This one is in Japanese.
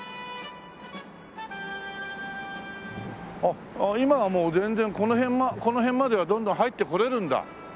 あっ今はもう全然この辺まではどんどん入ってこれるんだ。